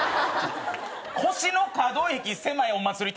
腰の可動域狭いお祭り